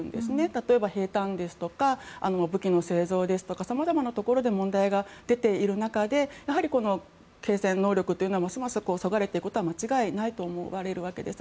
例えば兵たんですとか武器の製造ですとか様々なところで問題が出ている中でやはり、継戦能力はますますそがれていくことは間違いないと思われるわけです。